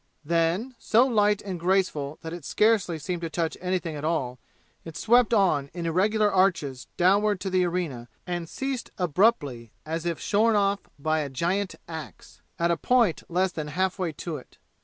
Then, so light and graceful that it scarcely seemed to touch anything at all, it swept on in irregular arches downward to the arena and ceased abruptly as if shorn off by a giant ax, at a point less than half way to it.